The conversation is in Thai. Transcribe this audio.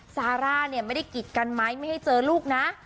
ซาร่าเนี่ยไม่ได้กิดกันไหมไม่ให้เจอลูกนะ